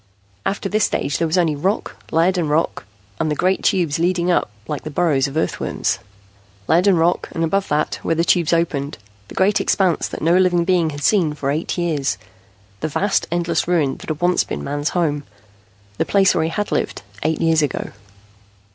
After this stage there was only rock, lead and rock, and the great tubes leading up like the burrows of earthworms. Lead and rock, and above that, where the tubes opened, the great expanse that no living being had seen for eight years, the vast, endless ruin that had once been Man's home, the place where he had lived, eight years ago.